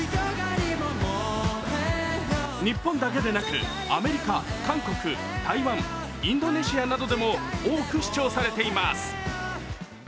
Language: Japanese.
日本だけでなくアメリカ、韓国、台湾、インドネシアなどでも多く視聴されています。